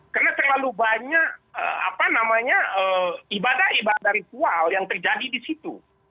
karena terlalu banyak ibadah ibadah ritual yang terjadi disitu